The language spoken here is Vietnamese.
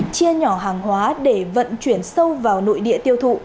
chia nhỏ hàng hóa để vận chuyển sâu vào nội địa tiêu thụ